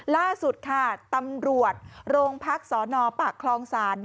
ล่าสุดค่ะตำรวจโรงพักสนปากคลองศาล